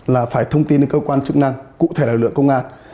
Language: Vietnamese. là phải thông tin đến cơ quan chức năng cụ thể lực lượng công an